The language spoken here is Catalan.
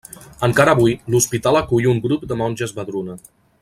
Encara avui l'Hospital acull un grup de monges Vedruna.